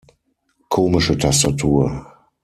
Komische Tastatur!